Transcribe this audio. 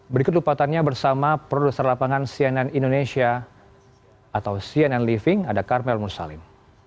berikut lupaannya bersama produser lapangan cnn indonesia atau cnn living ada karmel mursalim